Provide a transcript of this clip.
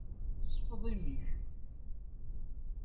Sfeḍ imi-k!